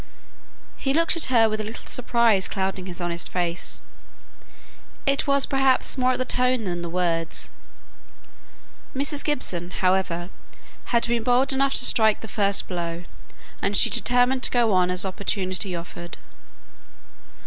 He looked at her with a little surprise clouding his honest face; it was perhaps more at the tone than the words. Mrs. Gibson, however, had been bold enough to strike the first blow, and she determined to go on as opportunity offered.